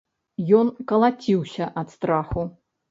Ён калаціўся ад страху.